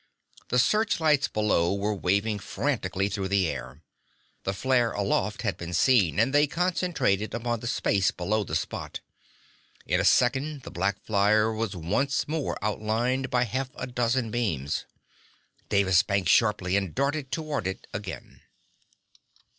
The searchlights below were waving frantically through the air. The flare aloft had been seen, and they concentrated upon the space below the spot. In a second the black flyer was once more outlined by half a dozen beams. Davis banked sharply and darted toward it again.